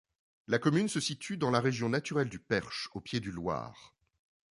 La commune se situe dans la région naturelle du Perche au pied du Loir.